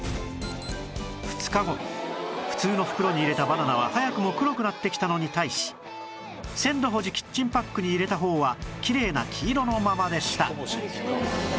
２日後普通の袋に入れたバナナは早くも黒くなってきたのに対し鮮度保持キッチンパックに入れた方はきれいな黄色のままでした